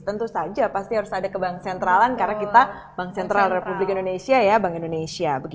tentu saja pasti harus ada keban sentralan karena kita bank sentral republik indonesia ya bank indonesia